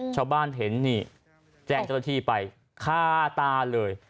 ชาวบ้านเห็นนี่แจ้งเจ้าหน้าที่ไปคาตาเลย